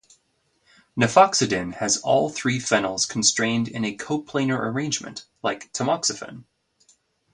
Nafoxidine has all three phenyls constrained in a coplanar arrangement like tamoxifen.